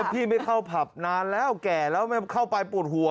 พี่ไม่เข้าผับนานแล้วแก่แล้วเข้าไปปวดหัว